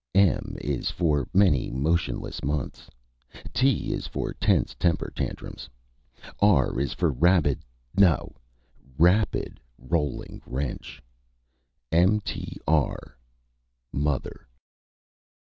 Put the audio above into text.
_: M is for many motionless months. T is for tense temper tantrums. R is for rabid NO! rapid rolling wrench. _MTR. Mother.